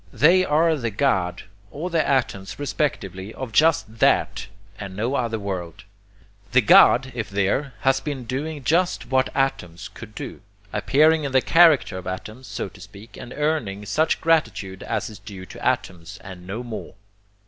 They are the God or the atoms, respectively, of just that and no other world. The God, if there, has been doing just what atoms could do appearing in the character of atoms, so to speak and earning such gratitude as is due to atoms, and no more.